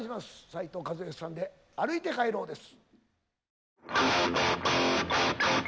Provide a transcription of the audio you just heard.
斉藤和義さんで「歩いて帰ろう」です。